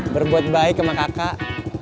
berbuat baik sama kakak